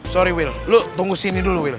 sori wil lo tunggu sini dulu wil